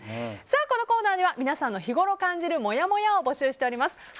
このコーナーでは皆さんが日ごろ感じるもやもやを募集しています。